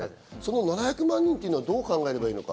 ７００万人というのをどう考えればいいのか。